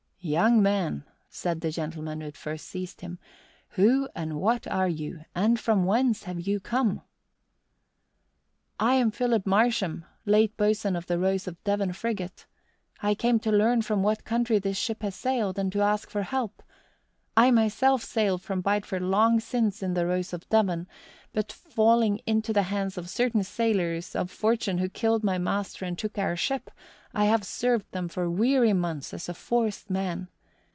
"Young man," said the gentleman who had first seized him, "who and what are you, and from whence have you come?" "I am Philip Marsham, late boatswain of the Rose of Devon frigate. I came to learn from what country this ship had sailed and to ask for help. I myself sailed from Bideford long since in the Rose of Devon, but, falling into the hands of certain sailors of fortune who killed our master and took our ship, I have served them for weary months as a forced man.